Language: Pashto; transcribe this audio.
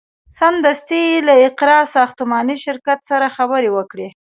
سمدستي یې له اقراء ساختماني شرکت سره خبرې وکړې.